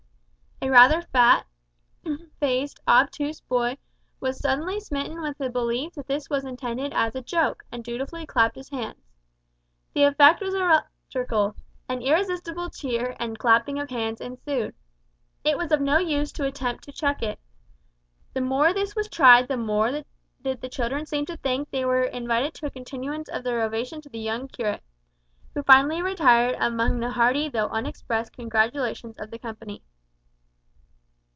A rather obtuse, fat faced boy, was suddenly smitten with the belief that this was intended as a joke, and dutifully clapped his hands. The effect was electrical an irresistible cheer and clapping of hands ensued. It was of no use to attempt to check it. The more this was tried the more did the children seem to think they were invited to a continuance of their ovation to the young curate, who finally retired amid the hearty though unexpressed congratulations of the company.